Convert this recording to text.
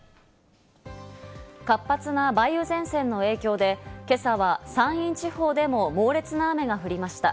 活発な梅雨前線の影響で、今朝は山陰地方でも猛烈な雨が降りました。